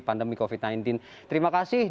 pandemi covid sembilan belas terima kasih